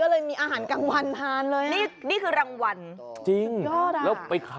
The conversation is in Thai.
เอามาเลือกเมื่อออกมา